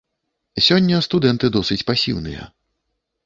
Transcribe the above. Сёння студэнты досыць пасіўныя.